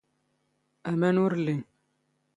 ⴰⵎⴰⵏ ⵓⵔ ⵍⵍⵉⵏ.